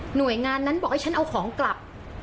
หน่วยงานนั้นบอกให้ฉันเอาของกลับ